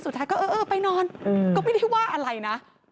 สุดท้ายก็เออเออไปนอนก็ไม่ได้ว่าอะไรนะ